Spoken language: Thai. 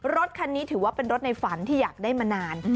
รถคันนี้ถือว่าเป็นรถในฝันที่อยากได้มานาน